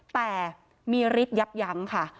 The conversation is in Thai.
แต่มีฤทธิ์ยับยั้งค่ะ